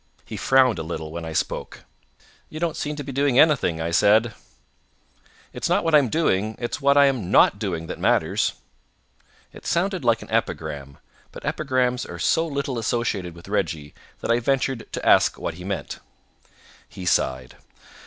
He frowned a little when I spoke. "You don't seem to be doing anything," I said. "It's not what I'm doing, it's what I am not doing that matters." It sounded like an epigram, but epigrams are so little associated with Reggie that I ventured to ask what he meant. He sighed.